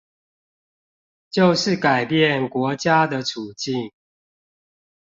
就是改變國家的處境